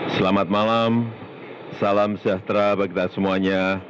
selamat malam salam sejahtera bagi kita semuanya